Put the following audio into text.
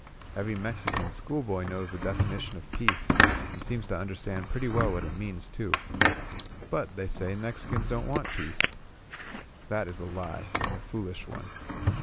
Every Mexican schoolboy knows the definition of peace and seems to understand pretty well what it means, too. But, they say, Mexicans don't want peace. That is a lie, and a foolish one.